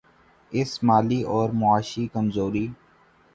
اس مالی اور معاشی کمزوری